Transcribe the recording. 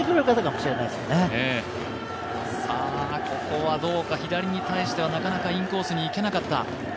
ここはどうか、左に対してはなかなかインコースにいけなかった。